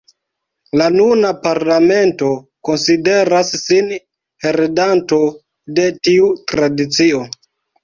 La nuna parlamento konsideras sin heredanto de tiu tradicio.